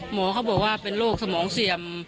หมอเขาบอกว่าเป็นโรคสมองเสี่ยม